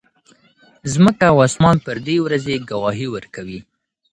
ځمکه او اسمان پر دې ورځې ګواهي ورکوي.